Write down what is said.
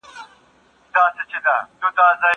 زه پرون د زده کړو تمرين وکړ!؟